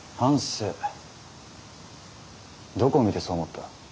どこを見てそう思った。